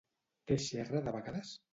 Què xerra de vegades?